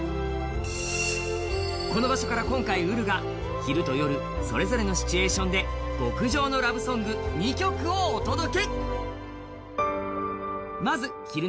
この場所から今回Ｕｒｕが、昼と夜、それぞれのシチュエーションで極上のラブソング２曲をお届け！